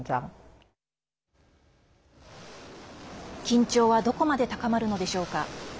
緊張は、どこまで高まるのでしょうか。